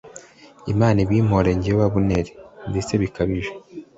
Imana ibimpore jyewe Abuneri, ndetse bikabije